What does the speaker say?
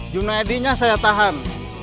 junaedinya saya tahan